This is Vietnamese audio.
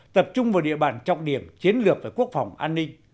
tập trung vào địa bàn trọng điểm chiến lược về quốc phòng an ninh